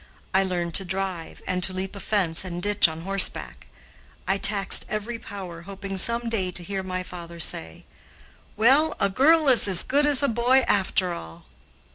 I learned to drive, and to leap a fence and ditch on horseback. I taxed every power, hoping some day to hear my father say: "Well, a girl is as good as a boy, after all."